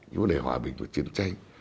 những vấn đề hòa bình và chiến tranh